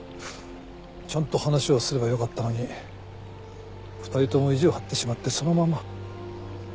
ちゃんと話をすればよかったのに２人とも意地を張ってしまってそのまま。